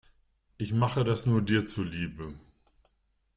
Ich mache das nur dir zuliebe.